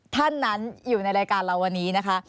ท่านนั้นอยู่ในรายการเราวันนี้นะคะ